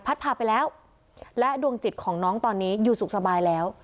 พาไปแล้วและดวงจิตของน้องตอนนี้อยู่สุขสบายแล้ว